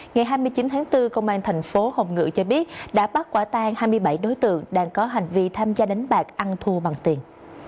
ngày hai mươi chín tháng bốn công an thành phố hồng ngự cho biết đã bắt quả tan hai mươi bảy đối tượng đang có hành vi tham gia đánh bạc ăn thu bằng tiền